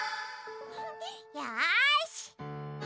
よし！